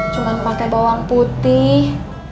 cuman pake bawang putih